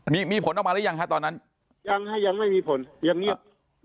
มีผลออกมาหรือยังครับตอนนั้นยังไม่มีผลยังเงียบ